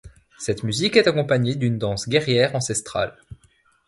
Cette musique est accompagnée d'une danse guerrière ancestrale.